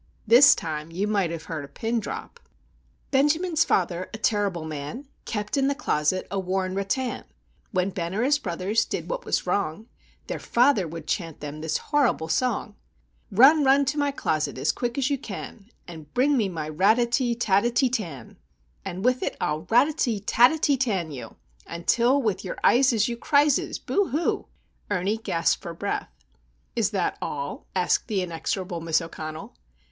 This time you might have heard a pin drop:— Benjamin's father, a terrible man, Kept in the closet a worn rattan; When Ben or his brothers did what was wrong, Their father would chant them this horrible song:— "Run, run, to my closet as quick as you can, And bring me my rat te tee, tat te tee, tan! And with it I'll rat te tee, tat tee tan you, Until with your eyeses you crieses, boo hoo!" Ernie gasped for breath. "Is that all?" asked the inexorable Miss O'Connell.